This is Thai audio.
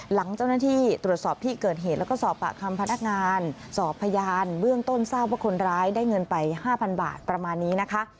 หลังเจ้าหน้าที่ตรวจสอบที่เกิดเหตุแล้วก็สอบปากคำพนักงานสอบพยานเบื้องต้นทราบว่าคนร้ายได้เงินไป๕๐๐บาทประมาณนี้นะคะ